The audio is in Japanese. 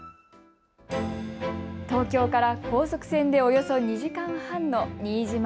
東京から高速船でおよそ２時間半の新島。